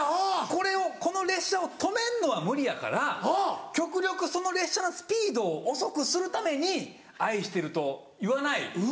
これをこの列車を止めんのは無理やから極力その列車のスピードを遅くするために「愛してる」と言わないとか。